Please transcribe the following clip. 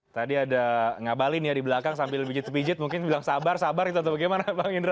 tadi ada ngabalin ya di belakang sambil bijit bijit mungkin bilang sabar sabar itu atau bagaimana bang indra